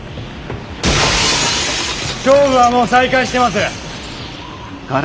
勝負はもう再開してます。